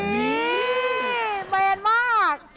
นี่แฟนมาก